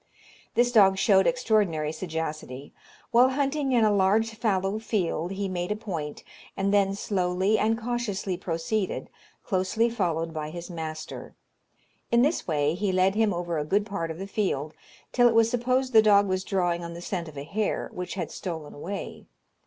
This dog showed extraordinary sagacity. While hunting in a large fallow field he made a point, and then slowly and cautiously proceeded, closely followed by his master. In this way he led him over a good part of the field, till it was supposed the dog was drawing on the scent of a hare, which had stolen away.